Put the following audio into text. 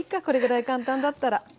これぐらい簡単だったら。